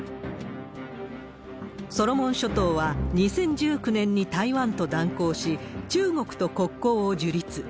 ソロモン諸島は、２０１９年に台湾と断交し、中国と国交を樹立。